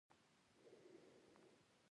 چې په حق ئې نو ځواکمن یې، دریځمن یې، عزتمن یې